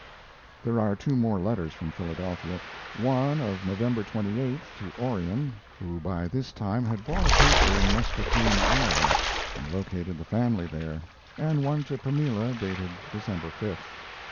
There are two more letters from Philadelphia: one of November, 28th, to Orion, who by this time had bought a paper in Muscatine, Iowa, and located the family there; and one to Pamela dated December 5th.